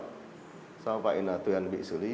do vậy là tuyền bị xử lý